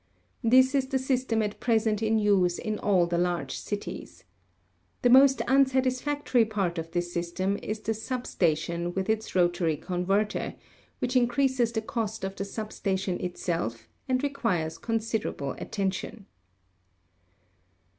This is the system at present in use in all the large cities. The most unsatisfactory part of this system is the sub station with its rotary converter, which increases the cost of the sub station itself and re quires considerable attention.